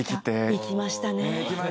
生きましたね。